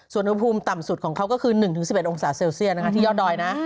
ส่วนอุณหภูมิต่ำสุดของเขาก็คือ๑๑๑องศาเซลเซียสที่ยอดดอยนะ